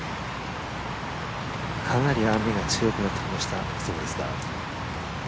かなり雨が強くなってきました。